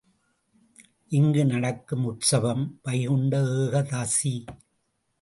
இங்கு நடக்கும் உற்சவம், வைகுண்ட ஏகாதசி.